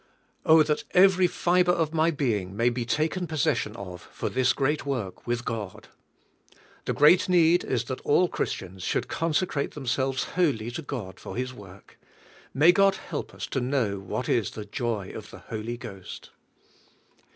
Oh that every fiber of my being may be taken possession of for this great work with God!" The great need is that all Christians should consecrate themselves wholly to God for His work. May God help us to know what is the joy of the Holy Ghost.